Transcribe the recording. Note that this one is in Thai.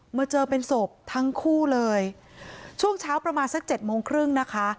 มาเจอเป็นศพทั้งคู่เลยช่วงเช้าประมาณสักเจ็ดโมงครึ่งนะคะ